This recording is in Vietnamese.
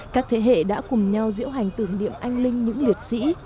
các thế hệ đã cùng nhau diễu hành tưởng niệm anh linh những liệt sĩ